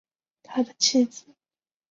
他的妻子随后死于难产。